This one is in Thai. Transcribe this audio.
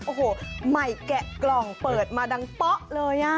โอ้โหใหม่แกะกล่องเปิดมาดังเป๊ะเลย